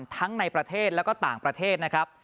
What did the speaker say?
ทั้งในประเทศแล้วก็ต่างประเทศนะครับ